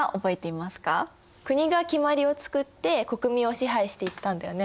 国が決まりを作って国民を支配していったんだよね。